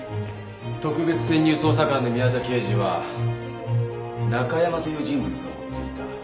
特別潜入捜査官の宮田刑事はナカヤマという人物を追っていた。